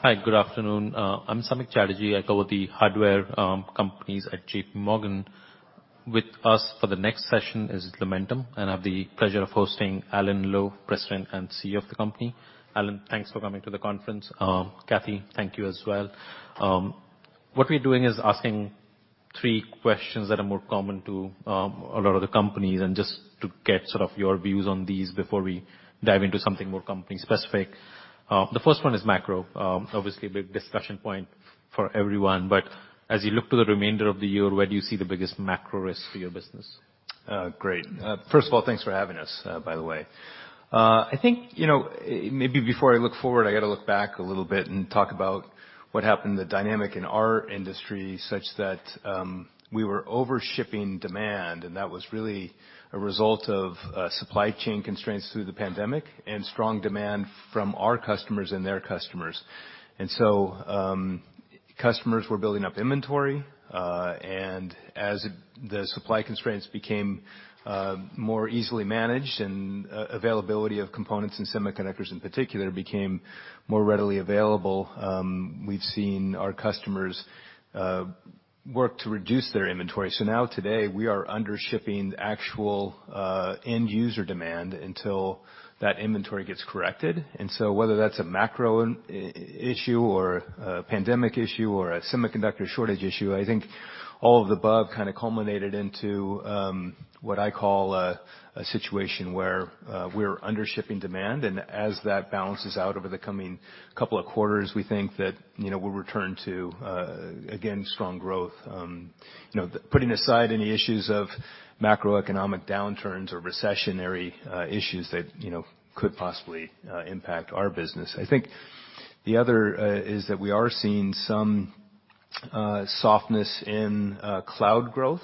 Hi, good afternoon. I'm Samik Chatterjee. I cover the hardware companies at JPMorgan. With us for the next session is Lumentum. I have the pleasure of hosting Alan Lowe, President and CEO of the company. Alan, thanks for coming to the conference. Kathy, thank you as well. What we're doing is asking three questions that are more common to a lot of the companies just to get sort of your views on these before we dive into something more company specific. The first one is macro. Obviously a big discussion point for everyone. As you look to the remainder of the year, where do you see the biggest macro risk for your business? Great. First of all, thanks for having us, by the way. I think, you know, maybe before I look forward, I gotta look back a little bit and talk about what happened, the dynamic in our industry, such that we were over-shipping demand, and that was really a result of supply chain constraints through the pandemic and strong demand from our customers and their customers. Customers were building up inventory, and as the supply constraints became more easily managed and availability of components and semiconductors in particular became more readily available, we've seen our customers work to reduce their inventory. Now today, we are under-shipping the actual end user demand until that inventory gets corrected. Whether that's a macro issue or a pandemic issue or a semiconductor shortage issue, I think all of the above kinda culminated into what I call a situation where we're under-shipping demand. As that balances out over the coming couple of quarters, we think that, you know, we'll return to again, strong growth. You know, putting aside any issues of macroeconomic downturns or recessionary issues that, you know, could possibly impact our business. I think the other is that we are seeing some softness in cloud growth,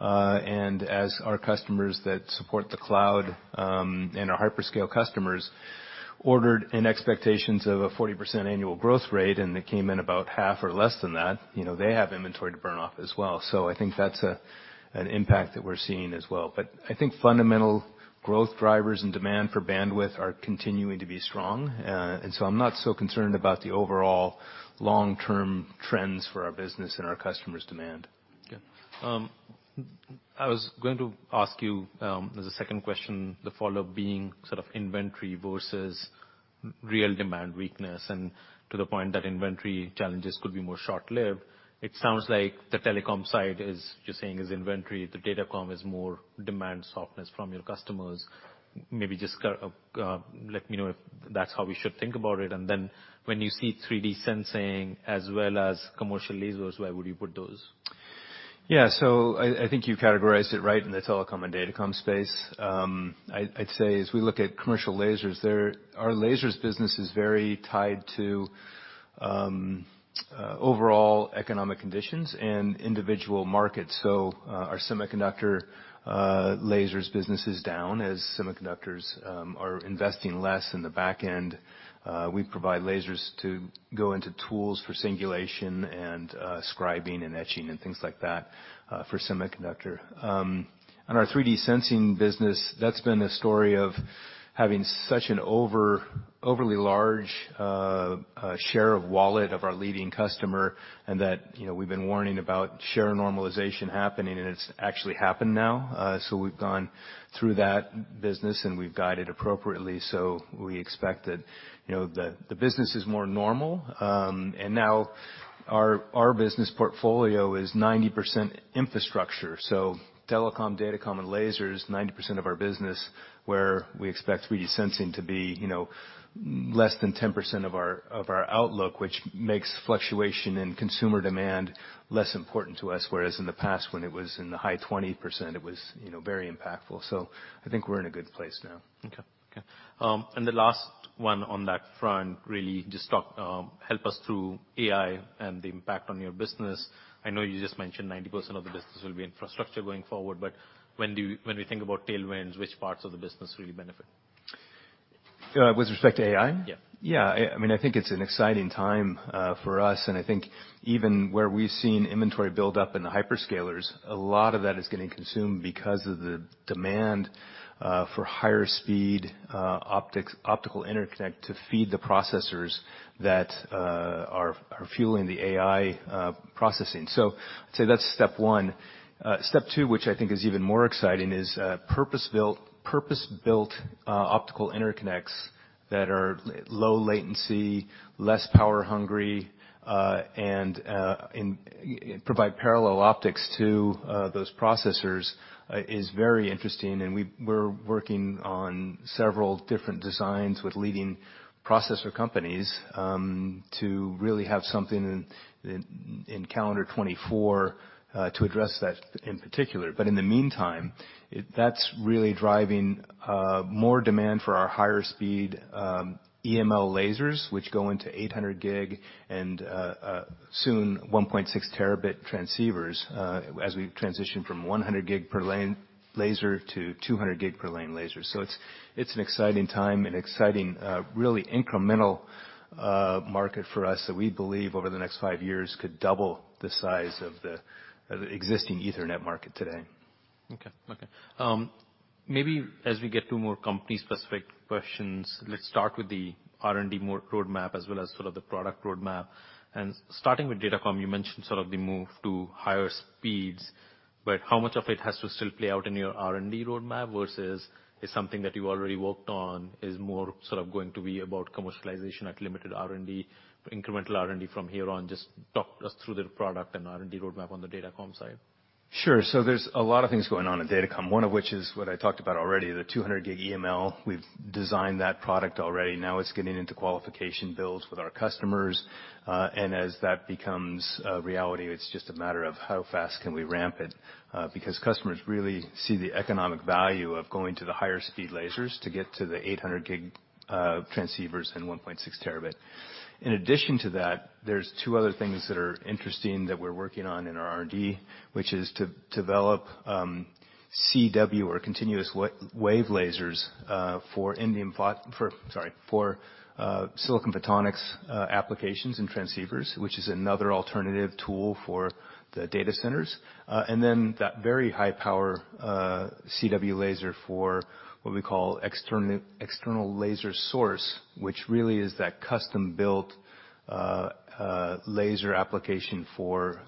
and as our customers that support the cloud, and our hyperscale customers ordered in expectations of a 40% annual growth rate, and they came in about half or less than that. You know, they have inventory to burn off as well. I think that's an impact that we're seeing as well. I think fundamental growth drivers and demand for bandwidth are continuing to be strong. I'm not so concerned about the overall long-term trends for our business and our customers' demand. Okay. I was going to ask you, as a second question, the follow-up being sort of inventory versus real demand weakness, and to the point that inventory challenges could be more short-lived. It sounds like the telecom side is just saying is inventory, the datacom is more demand softness from your customers. Maybe just let me know if that's how we should think about it? When you see 3D sensing as well as commercial lasers, where would you put those? I think you've categorized it right in the telecom and datacom space. I'd say as we look at commercial lasers, our lasers business is very tied to overall economic conditions and individual markets. Our semiconductor lasers business is down as semiconductors are investing less in the back end. We provide lasers to go into tools for singulation and scribing and etching and things like that for semiconductor. On our 3D sensing business, that's been a story of having such an overly large share of wallet of our leading customer, and that, you know, we've been warning about share normalization happening, and it's actually happened now. We've gone through that business, and we've guided appropriately. We expect that, you know, the business is more normal. Now our business portfolio is 90% infrastructure. Telecom, datacom, and lasers, 90% of our business, where we expect 3D sensing to be, you know, less than 10% of our outlook, which makes fluctuation in consumer demand less important to us, whereas in the past when it was in the high 20%, it was, you know, very impactful. I think we're in a good place now. Okay. Okay. The last one on that front, really just talk, help us through AI and the impact on your business. I know you just mentioned 90% of the business will be infrastructure going forward, but when we think about tailwinds, which parts of the business really benefit? With respect to AI? Yeah. Yeah. I mean, I think it's an exciting time for us, and I think even where we've seen inventory build up in the hyperscalers, a lot of that is getting consumed because of the demand for higher speed optics, optical interconnect to feed the processors that are fueling the AI processing. I'd say that's step one. Step two, which I think is even more exciting, is purpose-built optical interconnects that are low latency, less power hungry, and provide parallel optics to those processors is very interesting. We're working on several different designs with leading processor companies to really have something in calendar 2024 to address that in particular. In the meantime, that's really driving more demand for our higher speed, EML lasers, which go into 800G and soon 1.6T transceivers, as we transition from 100G per lane laser to 200G per lane laser. It's an exciting time and exciting, really incremental, market for us that we believe over the next five years could double the size of the existing Ethernet market today. Okay. Okay. Maybe as we get to more company specific questions, let's start with the R&D more roadmap as well as sort of the product roadmap. Starting with Datacom, you mentioned sort of the move to higher speeds, but how much of it has to still play out in your R&D roadmap versus it's something that you already worked on is more sort of going to be about commercialization at limited R&D, incremental R&D from here on? Just talk us through the product and R&D roadmap on the Datacom side? Sure. There's a lot of things going on at Datacom, one of which is what I talked about already, the 200G EML. We've designed that product already. Now it's getting into qualification builds with our customers. As that becomes a reality, it's just a matter of how fast can we ramp it, because customers really see the economic value of going to the higher speed lasers to get to the 800G transceivers and 1.6T. In addition to that, there's two other things that are interesting that we're working on in our R&D, which is to develop CW or continuous-wave lasers for silicon photonics applications and transceivers, which is another alternative tool for the data centers. That very high power CW laser for what we call external laser source, which really is that custom built laser application for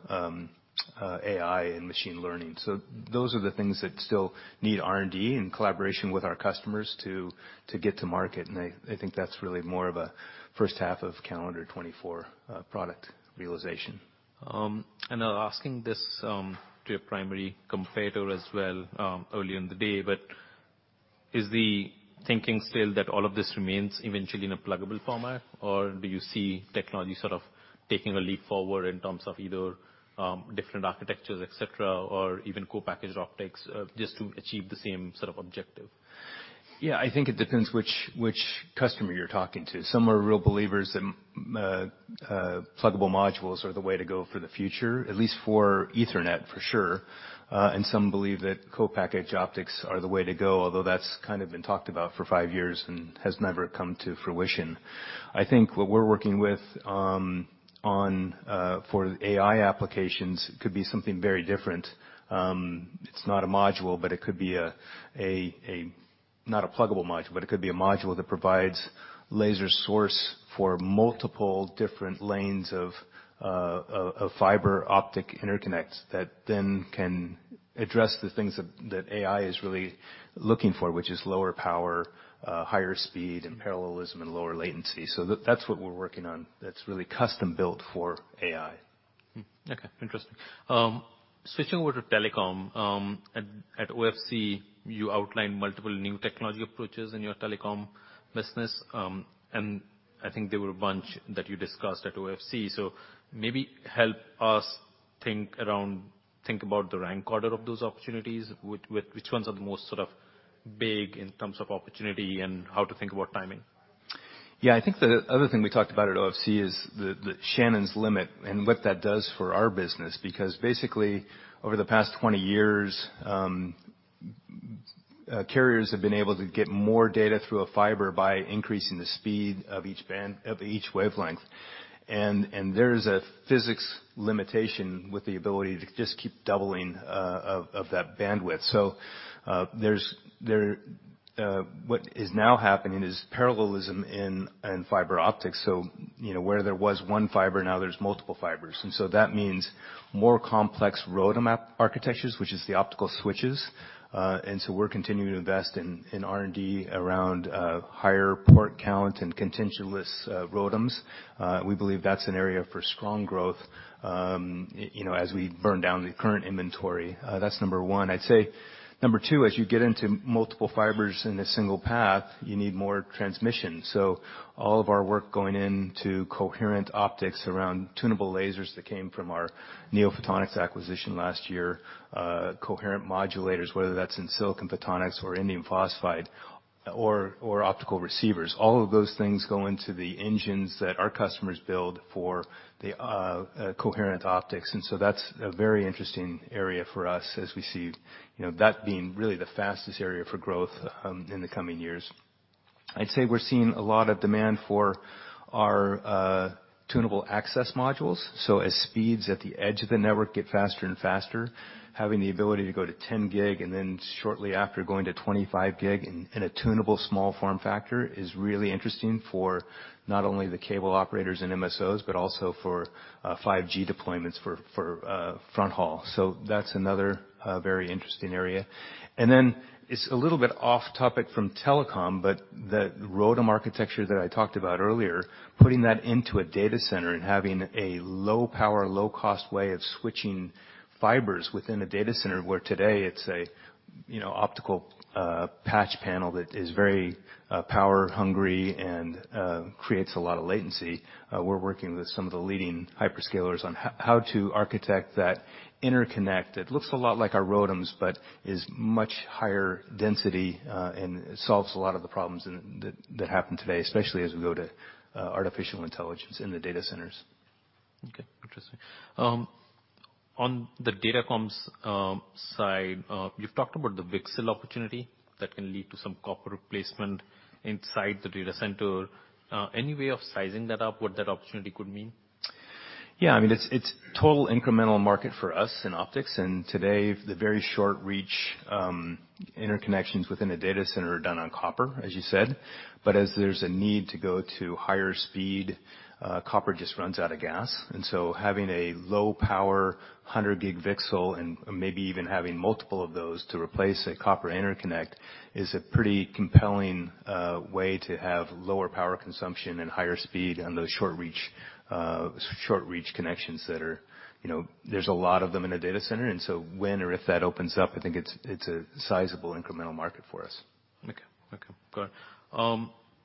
AI and machine learning. Those are the things that still need R&D in collaboration with our customers to get to market. I think that's really more of a first half of calendar 2024 product realization. I'm asking this to your primary competitor as well, earlier in the day, but is the thinking still that all of this remains eventually in a pluggable format, or do you see technology sort of taking a leap forward in terms of either, different architectures, et cetera, or even co-packaged optics, just to achieve the same sort of objective? I think it depends which customer you're talking to. Some are real believers in pluggable modules are the way to go for the future, at least for Ethernet for sure. And some believe that co-packaged optics are the way to go, although that's kind of been talked about for five years and has never come to fruition. I think what we're working with on for AI applications could be something very different. It's not a module, but it could be not a pluggable module, but it could be a module that provides laser source for multiple different lanes of fiber optic interconnects that then can address the things that AI is really looking for, which is lower power, higher speed and parallelism and lower latency. That's what we're working on, that's really custom built for AI. Okay. Interesting. Switching over to telecom, at OFC, you outlined multiple new technology approaches in your telecom business. I think there were a bunch that you discussed at OFC. Maybe help us think about the rank order of those opportunities. Which ones are the most sort of big in terms of opportunity and how to think about timing? Yeah. I think the other thing we talked about at OFC is the Shannon's limit and what that does for our business. Basically, over the past 20 years, carriers have been able to get more data through a fiber by increasing the speed of each wavelength. There's a physics limitation with the ability to just keep doubling that bandwidth. What is now happening is parallelism in fiber optics. You know, where there was one fiber, now there's multiple fibers, that means more complex ROADM architectures, which is the optical switches. We're continuing to invest in R&D around higher port count and contentionless ROADMs. We believe that's an area for strong growth, you know, as we burn down the current inventory. That's number one. I'd say number two, as you get into multiple fibers in a single path, you need more transmission. All of our work going into coherent optics around tunable lasers that came from our NeoPhotonics acquisition last year, coherent modulators, whether that's in silicon photonics or indium phosphide or optical receivers. All of those things go into the engines that our customers build for the coherent optics. That's a very interesting area for us as we see, you know, that being really the fastest area for growth in the coming years. I'd say we're seeing a lot of demand for our tunable access modules. As speeds at the edge of the network get faster and faster, having the ability to go to 10 gig and then shortly after going to 25 gig in a tunable small form factor is really interesting for not only the cable operators and MSOs, but also for 5G deployments for fronthaul. That's another very interesting area. It's a little bit off topic from telecom, but the ROADM architecture that I talked about earlier, putting that into a data center and having a low power, low cost way of switching fibers within a data center, where today it's a, you know, optical patch panel that is very power hungry and creates a lot of latency. We're working with some of the leading hyperscalers on how to architect that interconnect. It looks a lot like our ROADMs, but is much higher density, and solves a lot of the problems that happen today, especially as we go to artificial intelligence in the data centers. Okay. Interesting. On the Datacom's side, you've talked about the VCSEL opportunity that can lead to some copper replacement inside the data center. Any way of sizing that up, what that opportunity could mean? Yeah. I mean, it's total incremental market for us in optics. Today, the very short reach interconnections within a data center are done on copper, as you said. As there's a need to go to higher speed, copper just runs out of gas. So having a low power 100 gig VCSEL and maybe even having multiple of those to replace a copper interconnect is a pretty compelling way to have lower power consumption and higher speed on those short reach connections that are, you know, there's a lot of them in a data center. So when or if that opens up, I think it's a sizable incremental market for us. Okay. Okay, got it.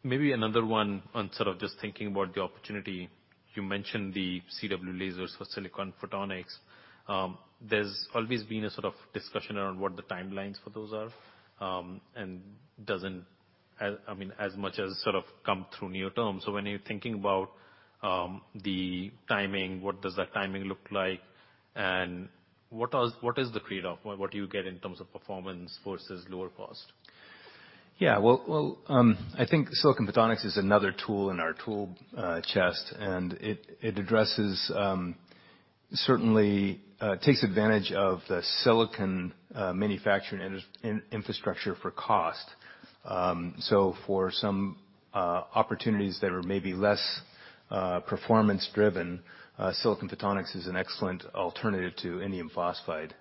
Maybe another one on sort of just thinking about the opportunity. You mentioned the CW lasers for silicon photonics. There's always been a sort of discussion around what the timelines for those are, and doesn't as, I mean, as much as sort of come through Neo terms. When you're thinking about the timing, what does that timing look like? What is the trade-off? What do you get in terms of performance versus lower cost? Yeah. Well, well, I think silicon photonics is another tool in our tool chest, and it addresses, certainly, takes advantage of the silicon manufacturing infrastructure for cost. For some opportunities that are maybe less performance driven, silicon photonics is an excellent alternative to indium phosphide.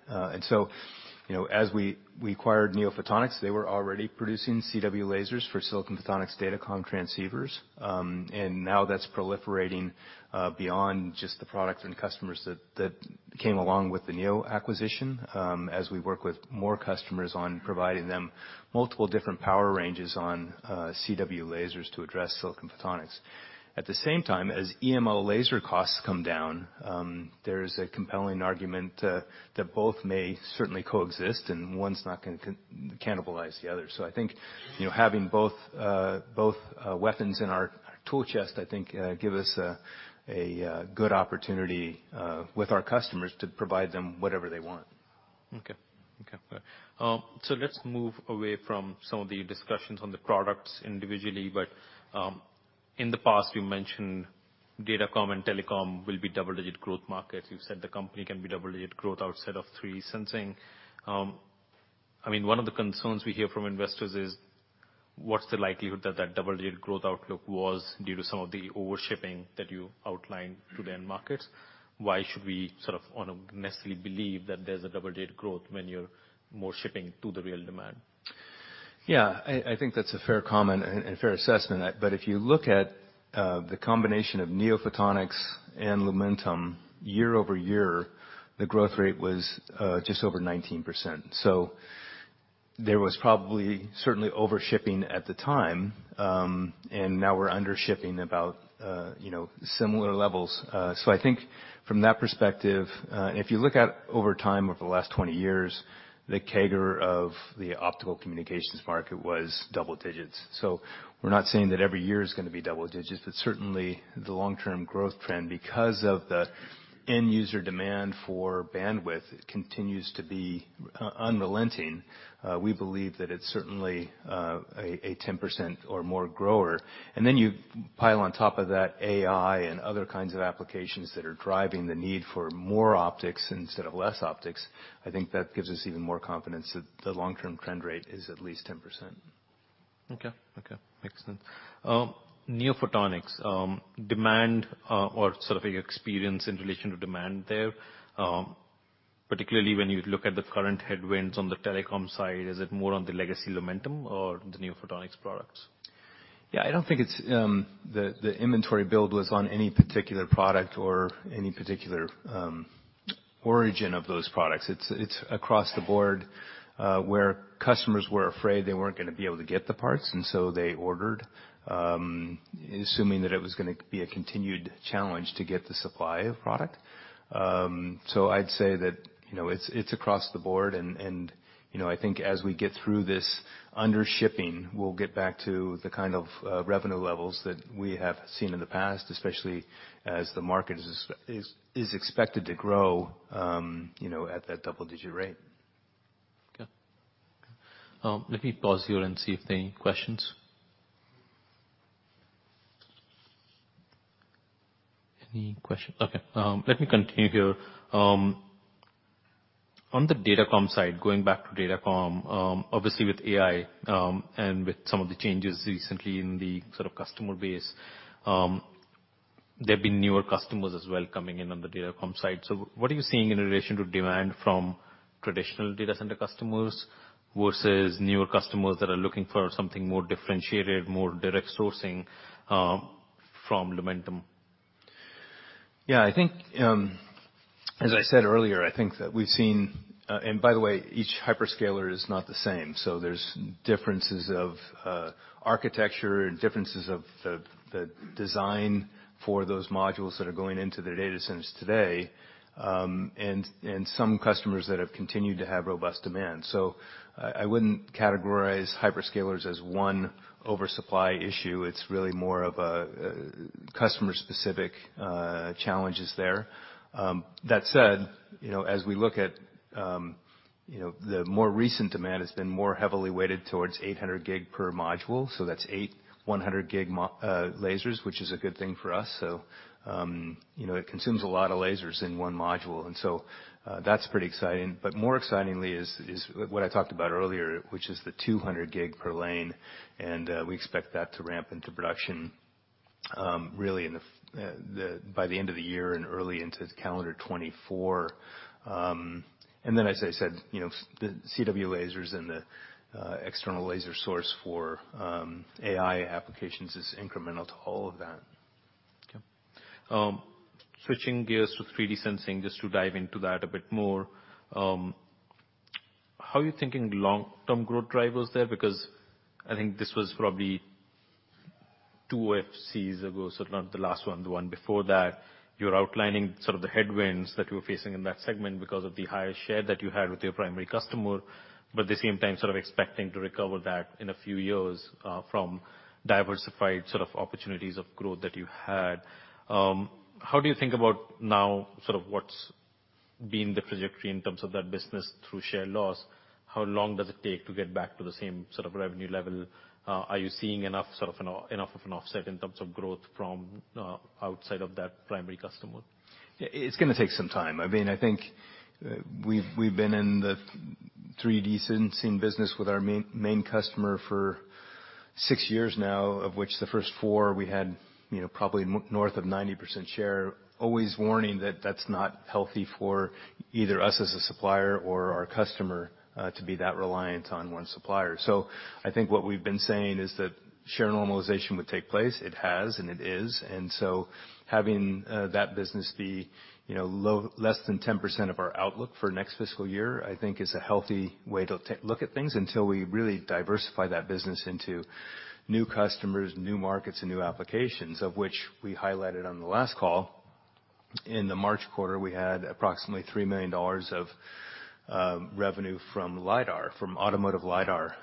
You know, as we acquired NeoPhotonics, they were already producing CW lasers for silicon photonics data comm transceivers. Now that's proliferating beyond just the products and customers that came along with the Neo acquisition, as we work with more customers on providing them multiple different power ranges on CW lasers to address silicon photonics. At the same time, as EML laser costs come down, there's a compelling argument that both may certainly coexist and one's not gonna cannibalize the other. I think, you know, having both weapons in our tool chest, I think, give us a good opportunity with our customers to provide them whatever they want. Okay. Let's move away from some of the discussions on the products individually. In the past, you mentioned data comm and telecom will be double-digit growth markets. You said the company can be double-digit growth outside of 3D sensing. I mean, one of the concerns we hear from investors is what's the likelihood that that double-digit growth outlook was due to some of the overshipping that you outlined to the end markets? Why should we sort of honestly believe that there's a double-digit growth when you're more shipping to the real demand? Yeah. I think that's a fair comment and fair assessment. If you look at the combination of NeoPhotonics and Lumentum, year-over-year, the growth rate was just over 19%. There was probably certainly overshipping at the time, and now we're undershipping about, you know, similar levels. I think from that perspective, and if you look at over time, over the last 20 years, the CAGR of the optical communications market was double digits. We're not saying that every year is gonna be double digits, but certainly the long-term growth trend because of the end user demand for bandwidth continues to be unrelenting. We believe that it's certainly a 10% or more grower. You pile on top of that AI and other kinds of applications that are driving the need for more optics instead of less optics. I think that gives us even more confidence that the long-term trend rate is at least 10%. Okay. Okay. Makes sense. NeoPhotonics, demand, or sort of your experience in relation to demand there, particularly when you look at the current headwinds on the telecom side, is it more on the legacy Lumentum or the NeoPhotonics products? Yeah. I don't think it's, the inventory build was on any particular product or any particular origin of those products. It's across the board, where customers were afraid they weren't gonna be able to get the parts, they ordered, assuming that it was gonna be a continued challenge to get the supply of product. I'd say that, you know, it's across the board and, you know, I think as we get through this undershipping, we'll get back to the kind of revenue levels that we have seen in the past, especially as the market is expected to grow, you know, at that double-digit rate. Okay. Let me pause here and see if there are any questions. Any questions? Okay. Let me continue here. On the data comm side, going back to data comm, obviously with AI, and with some of the changes recently in the sort of customer base, there have been newer customers as well coming in on the data comm side. What are you seeing in relation to demand from traditional data center customers versus newer customers that are looking for something more differentiated, more direct sourcing, from Lumentum? Yeah. I think, as I said earlier, I think that we've seen. By the way, each hyperscaler is not the same. There's differences of architecture and differences of the design for those modules that are going into their data centers today, and some customers that have continued to have robust demand. I wouldn't categorize hyperscalers as one oversupply issue. It's really more of a customer-specific challenges there. That said, you know, as we look at, you know, the more recent demand has been more heavily weighted towards 800G per module, so that's 8 100G lasers, which is a good thing for us. You know, it consumes a lot of lasers in one module, and so, that's pretty exciting. More excitingly is what I talked about earlier, which is the 200 gig per lane. We expect that to ramp into production really by the end of the year and early into calendar 2024. As I said, you know, the CW lasers and the external laser source for AI applications is incremental to all of that. Switching gears to 3D sensing, just to dive into that a bit more. How are you thinking long-term growth drivers there? I think this was probably 2 OFCs ago, so not the last one, the one before that. You were outlining sort of the headwinds that you were facing in that segment because of the higher share that you had with your primary customer, at the same time, sort of expecting to recover that in a few years, from diversified sort of opportunities of growth that you had. How do you think about now, sort of what's been the trajectory in terms of that business through share loss? How long does it take to get back to the same sort of revenue level? Are you seeing enough sort of enough of an offset in terms of growth from, outside of that primary customer? It's gonna take some time. I mean, I think we've been in the 3D sensing business with our main customer for six years now, of which the first four we had, you know, probably north of 90% share, always warning that that's not healthy for either us as a supplier or our customer to be that reliant on one supplier. I think what we've been saying is that share normalization would take place. It has, and it is. Having that business be, you know, less than 10% of our outlook for next fiscal year, I think is a healthy way to look at things until we really diversify that business into new customers, new markets, and new applications, of which we highlighted on the last call. In the March quarter, we had approximately $3 million of revenue from LiDAR, from automotive LiDAR.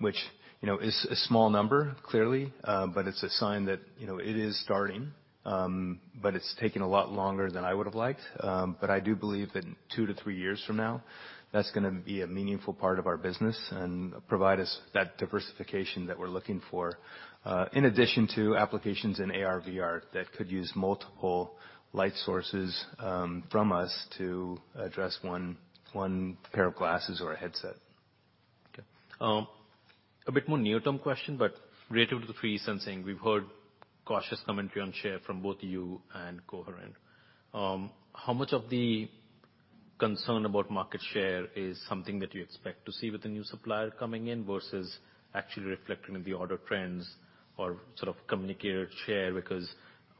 Which, you know, is a small number, clearly, but it's a sign that, you know, it is starting. It's taking a lot longer than I would've liked. I do believe that in two to three years from now, that's gonna be a meaningful part of our business and provide us that diversification that we're looking for, in addition to applications in AR/VR that could use multiple light sources, from us to address one pair of glasses or a headset. Okay. A bit more near-term question, but related to the 3D sensing. We've heard cautious commentary on share from both you and Coherent. How much of the concern about market share is something that you expect to see with a new supplier coming in versus actually reflecting in the order trends or sort of communicated share?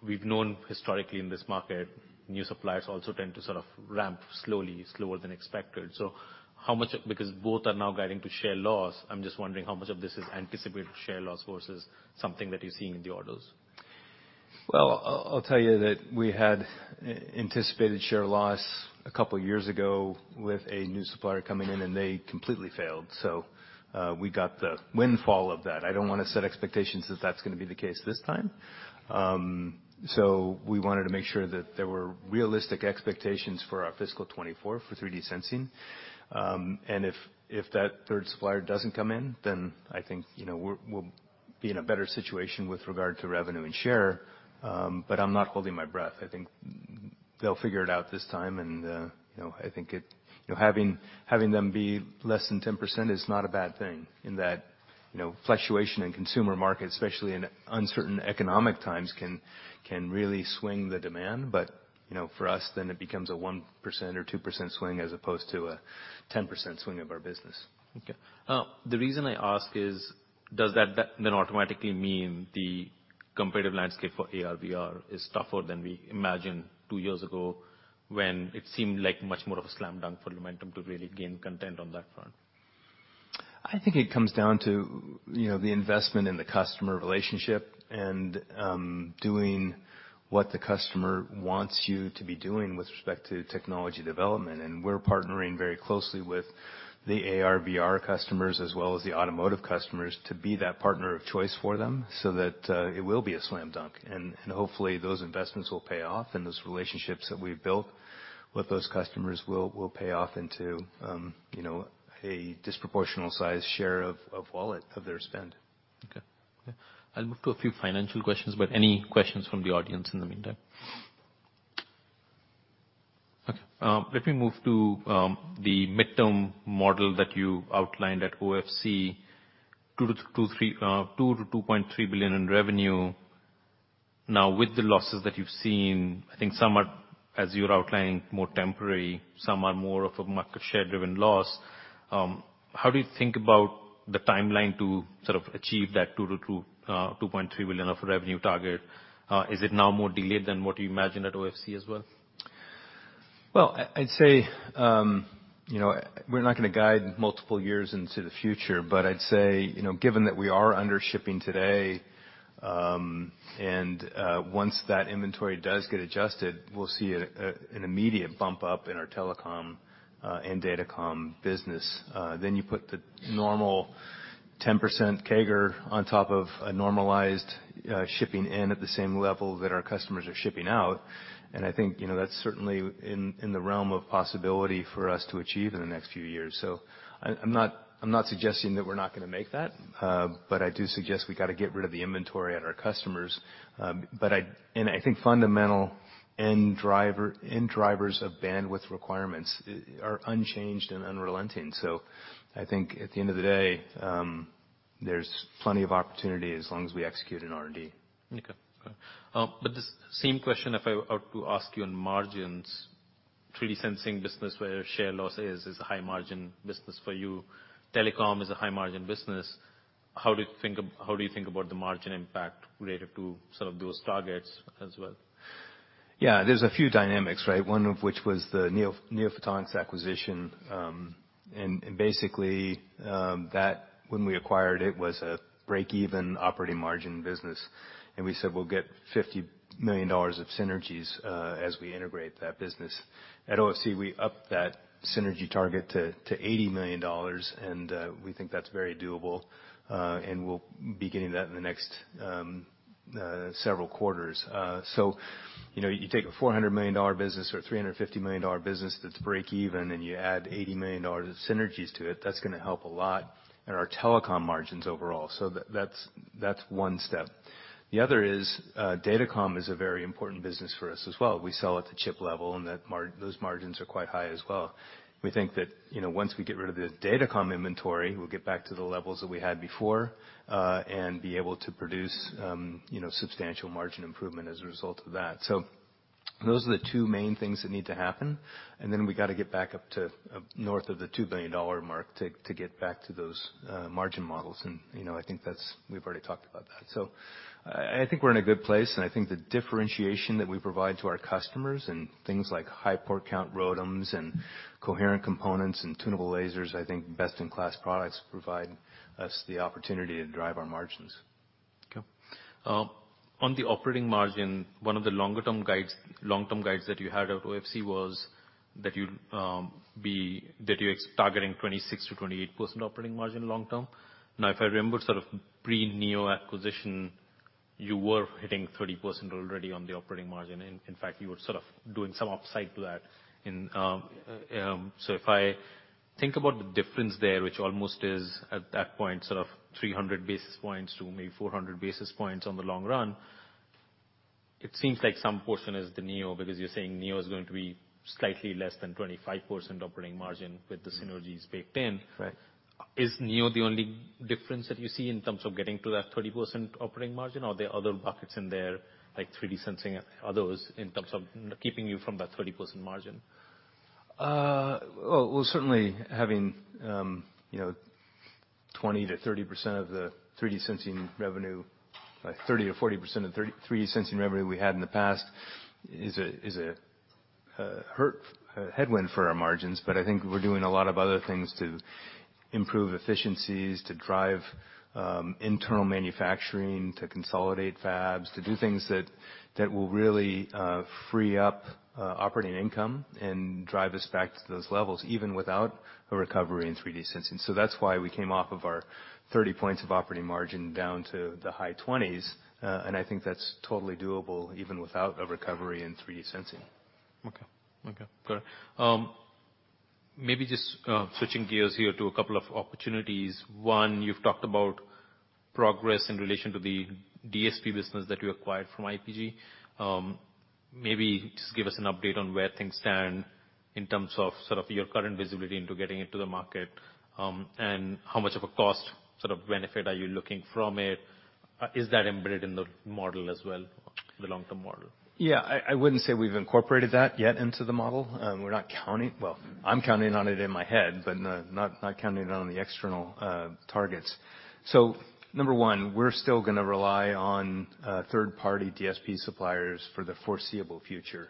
We've known historically in this market, new suppliers also tend to sort of ramp slowly, slower than expected. Because both are now guiding to share loss, I'm just wondering how much of this is anticipated share loss versus something that you're seeing in the orders. I'll tell you that we had anticipated share loss a couple years ago with a new supplier coming in, they completely failed. We got the windfall of that. I don't wanna set expectations that that's gonna be the case this time. We wanted to make sure that there were realistic expectations for our fiscal 2024 for 3D sensing. If that third supplier doesn't come in, I think, you know, we'll be in a better situation with regard to revenue and share. I'm not holding my breath. I think they'll figure it out this time, you know, I think having them be less than 10% is not a bad thing in that, you know, fluctuation in consumer markets, especially in uncertain economic times, can really swing the demand. you know, for us, then it becomes a 1% or 2% swing as opposed to a 10% swing of our business. Okay. The reason I ask is, does that then automatically mean the competitive landscape for AR/VR is tougher than we imagined two years ago when it seemed like much more of a slam dunk for Lumentum to really gain content on that front? I think it comes down to, you know, the investment in the customer relationship and doing what the customer wants you to be doing with respect to technology development. We're partnering very closely with the AR/VR customers as well as the automotive customers to be that partner of choice for them so that it will be a slam dunk. Hopefully, those investments will pay off, and those relationships that we've built with those customers will pay off into, you know, a disproportional size share of wallet of their spend. Okay. Okay. I'll move to a few financial questions, any questions from the audience in the meantime? Okay. Let me move to the midterm model that you outlined at OFC, $2 billion-$2.3 billion in revenue. With the losses that you've seen, I think some are, as you're outlining, more temporary, some are more of a market share driven loss. How do you think about the timeline to sort of achieve that $2.3 billion of revenue target? Is it now more delayed than what you imagined at OFC as well? Well, I'd say, you know, we're not gonna guide multiple years into the future, but I'd say, you know, given that we are under shipping today, and once that inventory does get adjusted, we'll see an immediate bump up in our telecom and datacom business. Then you put the normal 10% CAGR on top of a normalized shipping in at the same level that our customers are shipping out. I think, you know, that's certainly in the realm of possibility for us to achieve in the next few years. I'm not, I'm not suggesting that we're not gonna make that, but I do suggest we gotta get rid of the inventory at our customers. I think fundamental end drivers of bandwidth requirements are unchanged and unrelenting. I think at the end of the day, there's plenty of opportunity as long as we execute in R&D. Okay. The same question if I were to ask you on margins, 3D sensing business, where share loss is a high margin business for you. Telecom is a high margin business. How do you think about the margin impact related to sort of those targets as well? Yeah, there's a few dynamics, right? One of which was the NeoPhotonics acquisition. Basically, that when we acquired it was a break-even operating margin business. We said, we'll get $50 million of synergies as we integrate that business. At OFC, we upped that synergy target to $80 million, we think that's very doable, and we'll be getting that in the next several quarters. You know, you take a $400 million business or $350 million business that's break-even, you add $80 million of synergies to it, that's gonna help a lot in our telecom margins overall. That's one step. The other is, Datacom is a very important business for us as well. We sell at the chip level, and those margins are quite high as well. We think that, you know, once we get rid of the Datacom inventory, we'll get back to the levels that we had before, and be able to produce, you know, substantial margin improvement as a result of that. Those are the two main things that need to happen, and then we gonna get back up to north of the $2 billion mark to get back to those margin models. You know, I think we've already talked about that. I think we're in a good place, and I think the differentiation that we provide to our customers in things like high port count ROADMs and coherent components and tunable lasers, I think best-in-class products provide us the opportunity to drive our margins. Okay. On the operating margin, one of the longer term guides, long-term guides that you had at OFC was that you'd that you're targeting 26%-28% operating margin long term. If I remember, sort of pre-Neo acquisition, you were hitting 30% already on the operating margin. In fact, you were sort of doing some upside to that in. If I think about the difference there, which almost is at that point, sort of 300 basis points to maybe 400 basis points on the long run, it seems like some portion is the Neo, because you're saying Neo is going to be slightly less than 25% operating margin with the synergies baked in. Right. Is Neo the only difference that you see in terms of getting to that 30% operating margin, or are there other buckets in there, like 3D sensing, others, in terms of keeping you from that 30% margin? Well, certainly having, you know, 20%-30% of the 3D sensing revenue, like 30%-40% of 3D sensing revenue we had in the past is a hurt, a headwind for our margins. I think we're doing a lot of other things to improve efficiencies, to drive internal manufacturing, to consolidate fabs, to do things that will really free up operating income and drive us back to those levels, even without a recovery in 3D sensing. That's why we came off of our 30 points of operating margin down to the high 20s, and I think that's totally doable even without a recovery in 3D sensing. Okay. Okay. Got it. Maybe just switching gears here to a couple of opportunities. One, you've talked about progress in relation to the DSP business that you acquired from IPG. Maybe just give us an update on where things stand in terms of sort of your current visibility into getting it to the market, and how much of a cost sort of benefit are you looking from it? Is that embedded in the model as well, the long-term model? Yeah. I wouldn't say we've incorporated that yet into the model. We're not counting... Well, I'm counting on it in my head, but not counting it on the external targets. Number one, we're still gonna rely on third-party DSP suppliers for the foreseeable future.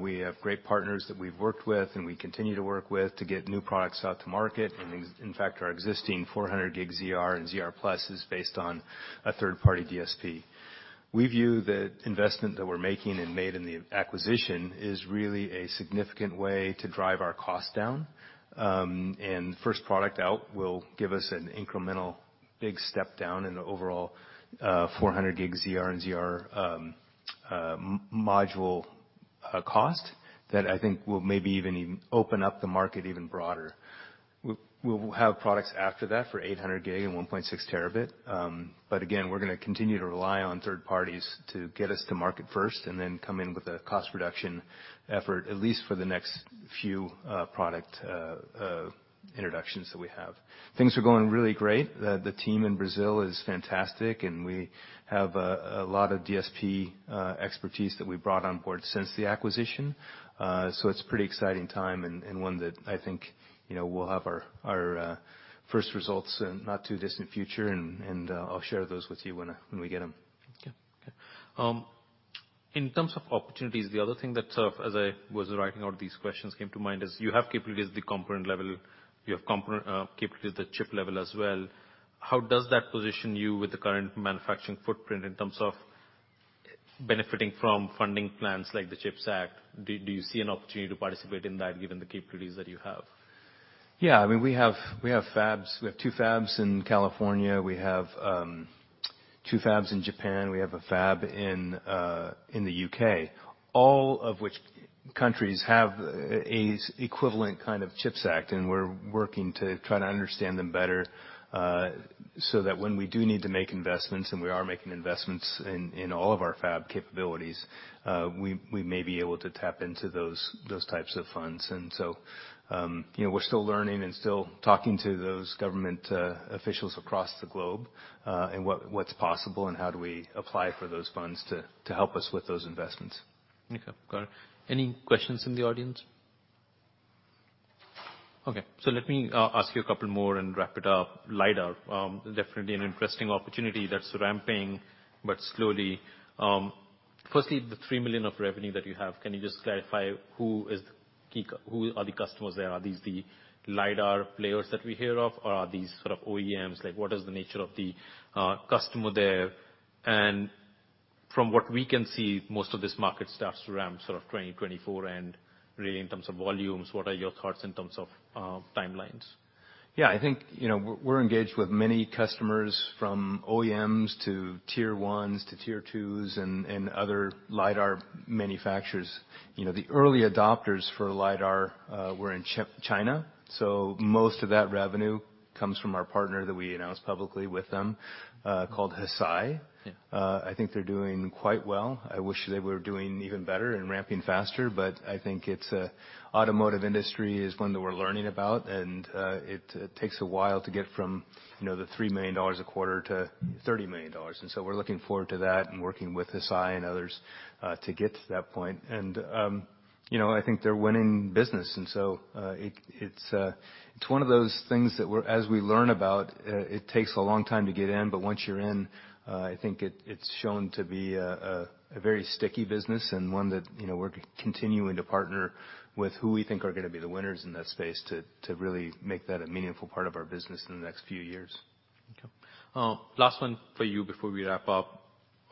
We have great partners that we've worked with and we continue to work with to get new products out to market. In fact, our existing 400G ZR and ZR+ is based on a third-party DSP. We view the investment that we're making and made in the acquisition is really a significant way to drive our costs down. First product out will give us an incremental big step down in the overall 400G ZR and ZR module cost that I think will maybe even open up the market even broader. We will have products after that for 800G and 1.6T. Again, we're gonna continue to rely on third parties to get us to market first and then come in with a cost reduction effort, at least for the next few product introductions that we have. Things are going really great. The team in Brazil is fantastic, and we have a lot of DSP expertise that we brought on board since the acquisition. It's pretty exciting time, and one that I think, you know, we'll have our first results in not too distant future, and I'll share those with you when we get them. Good. In terms of opportunities, the other thing that sort of, as I was writing out these questions, came to mind is you have capabilities at the component level, you have component capabilities at the chip level as well. How does that position you with the current manufacturing footprint in terms of benefiting from funding plans like the CHIPS Act, do you see an opportunity to participate in that given the capabilities that you have? Yeah. I mean, we have fabs. We have two fabs in California. We have two fabs in Japan. We have a fab in the UK. All of which countries have a equivalent kind of CHIPS Act, and we're working to try to understand them better, so that when we do need to make investments, and we are making investments in all of our fab capabilities, we may be able to tap into those types of funds. You know, we're still learning and still talking to those government officials across the globe, and what's possible and how do we apply for those funds to help us with those investments. Okay. Got it. Any questions in the audience? Let me ask you a couple more and wrap it up. LiDAR, definitely an interesting opportunity that's ramping but slowly. Firstly, the $3 million of revenue that you have, can you just clarify who are the customers there? Are these the LiDAR players that we hear of or are these sort of OEMs? Like, what is the nature of the customer there? From what we can see, most of this market starts to ramp sort of 2024. Really, in terms of volumes, what are your thoughts in terms of timelines? I think, you know, we're engaged with many customers from OEMs to tier ones to tier twos and other LiDAR manufacturers. The early adopters for LiDAR were in China, so most of that revenue comes from our partner that we announced publicly with them, called Hesai. Yeah. I think they're doing quite well. I wish they were doing even better and ramping faster, but I think it's, automotive industry is one that we're learning about. It takes a while to get from, you know, the $3 million a quarter to $30 million. So we're looking forward to that and working with Hesai and others, to get to that point. You know, I think they're winning business. It's one of those things that as we learn about, it takes a long time to get in, but once you're in, I think it's shown to be a very sticky business and one that, you know, we're continuing to partner with who we think are gonna be the winners in that space, to really make that a meaningful part of our business in the next few years. Okay. Last one for you before we wrap up.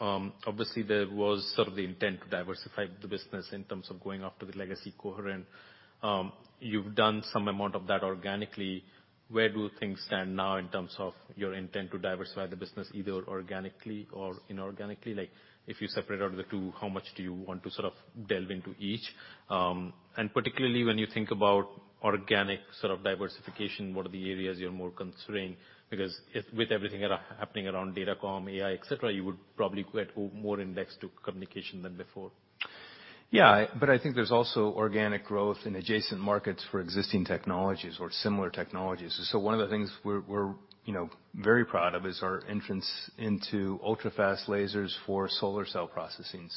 Obviously, there was sort of the intent to diversify the business in terms of going after the legacy coherent. You've done some amount of that organically. Where do things stand now in terms of your intent to diversify the business, either organically or inorganically? Like, if you separate out the two, how much do you want to sort of delve into each? Particularly when you think about organic sort of diversification, what are the areas you're more concerned? Because with everything happening around Datacom, AI, et cetera, you would probably get more indexed to communication than before. I think there's also organic growth in adjacent markets for existing technologies or similar technologies. One of the things we're, you know, very proud of is our entrance into ultrafast lasers for solar cell processing.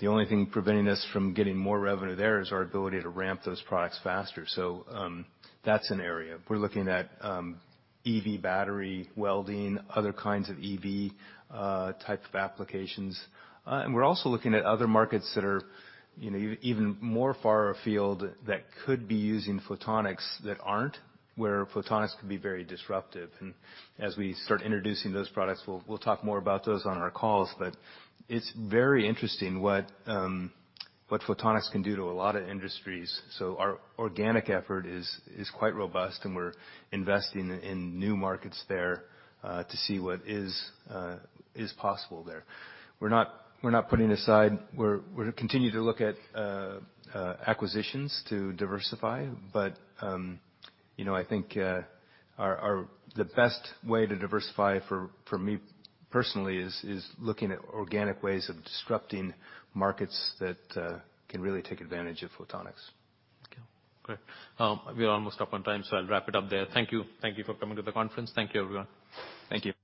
The only thing preventing us from getting more revenue there is our ability to ramp those products faster. That's an area. We're looking at EV battery welding, other kinds of EV type of applications. We're also looking at other markets that are, you know, even more far afield that could be using photonics that aren't, where photonics could be very disruptive. As we start introducing those products, we'll talk more about those on our calls. It's very interesting what photonics can do to a lot of industries. Our organic effort is quite robust, and we're investing in new markets there to see what is possible there. We're gonna continue to look at acquisitions to diversify. You know, I think the best way to diversify for me personally is looking at organic ways of disrupting markets that can really take advantage of photonics. Okay. Great. We are almost up on time, I'll wrap it up there. Thank you. Thank you for coming to the conference. Thank you, everyone. Thank you.